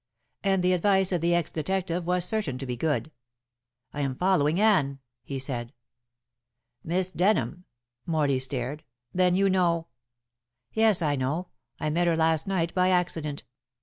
And the advice of the ex detective was certain to be good. "I am following Anne," he said. "Miss Denham." Morley stared. "Then you know " "Yes, I know; I met her last night by accident.